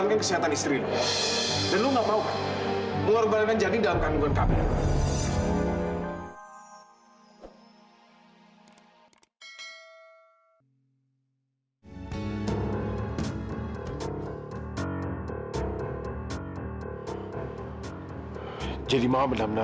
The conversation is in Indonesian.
oh iya satu hal lagi andara